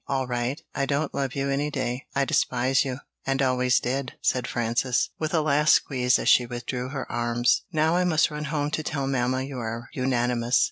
"All right. I don't love you any day; I despise you, and always did," said Frances, with a last squeeze as she withdrew her arms. "Now I must run home to tell mamma you are unanimous.